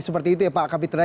seperti itu ya pak kapitra